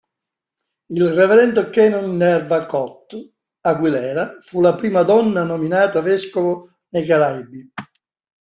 Il Reverendo Canon Nerva Cot Aguilera fu la prima donna nominata vescovo nei Caraibi.